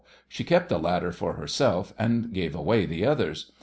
She kept the latter for herself, and gave away the others.